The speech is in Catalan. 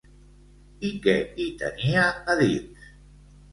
I què hi tenia a dins?